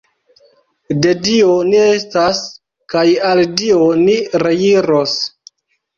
De Dio ni estas, kaj al Dio ni reiros.